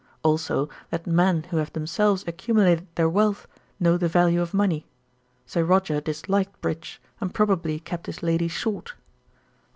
Also that men who have themselves accumulated their wealth know the value of money. Sir Roger disliked bridge and probably kept his lady short."